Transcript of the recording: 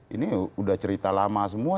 ini udah cerita lama semua